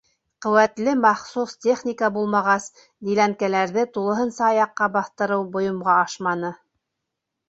Ҡеүәтле махсус техника булмағас, диләнкәләрҙе тулыһынса аяҡҡа баҫтырыу бойомға ашманы.